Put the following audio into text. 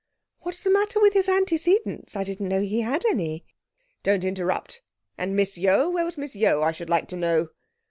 'What's the matter with his antecedents? I didn't know he had any.' 'Don't interrupt. And Miss Yeo? Where was Miss Yeo, I should like to know?'